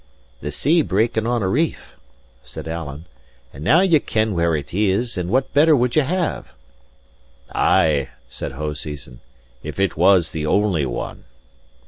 "The sea breaking on a reef," said Alan. "And now ye ken where it is; and what better would ye have?" "Ay," said Hoseason, "if it was the only one."